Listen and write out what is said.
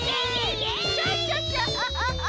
クシャシャシャ！